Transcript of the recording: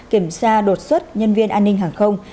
kiểm tra đột xuất nhân viên an ninh hàng không